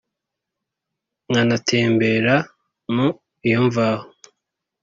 nkanatembera mu iyo mvaho